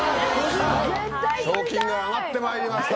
賞金が上がってまいりました。